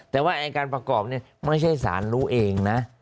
แต่ว่าการประกอบเนี่ยไม่ใช่สารรู้เองนะ